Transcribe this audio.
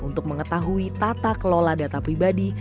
untuk mengetahui tata kelola data pribadi